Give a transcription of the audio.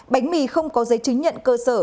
bánh mì không có giấy chứng nhận cơ sở